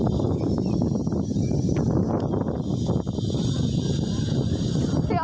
สวัสดีสวัสดี